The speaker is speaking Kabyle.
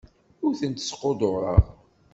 Ur tent-squddureɣ.